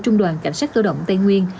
trong đoàn cảnh sát cơ động tây nguyên